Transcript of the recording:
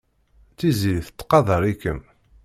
Tiziri tettqadar-ikem.